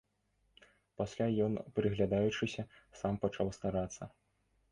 Пасля ён, прыглядаючыся, сам пачаў старацца.